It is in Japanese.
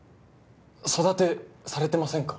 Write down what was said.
育てされてませんか？